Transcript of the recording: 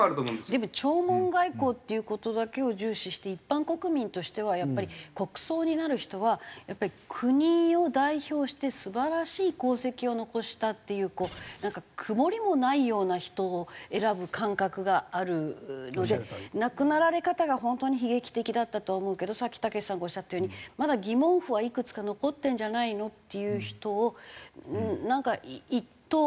でも弔問外交っていう事だけを重視して一般国民としてはやっぱり国葬になる人はやっぱり国を代表して素晴らしい功績を残したっていうなんか曇りもないような人を選ぶ感覚があるので亡くなられ方が本当に悲劇的だったとは思うけどさっきたけしさんがおっしゃったようにまだ疑問符はいくつか残ってるんじゃないの？っていう人をなんか１党だけで決めるっていう。